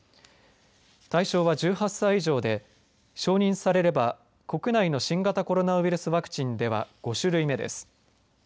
対象は１８歳以上で承認されれば国内の新型コロナウイルスワクチンでは５種類目です。